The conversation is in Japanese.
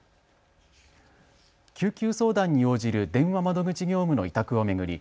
救急相談に応じる電話窓口業務の委託を巡り